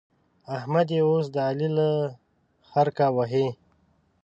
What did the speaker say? احمد يې اوس د علي له خرکه وهي.